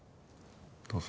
どうぞ。